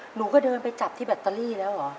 หนูก็เดินไปจับที่แบตเตอรี่แล้วเหรอ